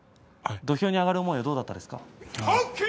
土俵に上がる思いはどうだったんですか？